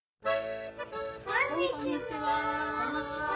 こんにちは。